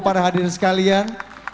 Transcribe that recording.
para hadirin sekalian